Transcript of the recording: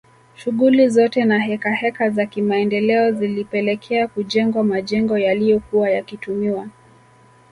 Shughuli zote na hekaheka za kimaendeleo zilipelekea kujengwa majengo yaliyokuwa yakitumiwa